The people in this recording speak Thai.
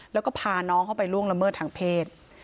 แล้วก็พาน้องเข้าไปล่วงละเมิดทางเพศ